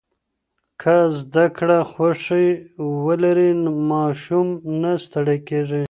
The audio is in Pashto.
که زده کړه خوښي ولري، ماشوم نه ستړی کېږي.